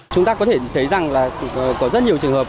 chúng ta có thể thấy rằng là có rất nhiều trường hợp